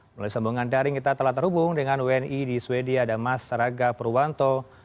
melalui sambungan daring kita telah terhubung dengan uni di sweden dan masyarakat perwanto